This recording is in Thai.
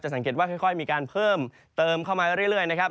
สังเกตว่าค่อยมีการเพิ่มเติมเข้ามาเรื่อยนะครับ